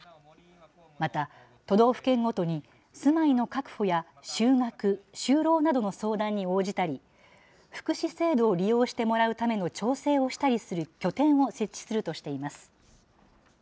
また都道府県ごとに、住まいの確保や就学・就労などの相談に応じたり、福祉制度を利用してもらうための調整をしたりする拠点を設置するとしています。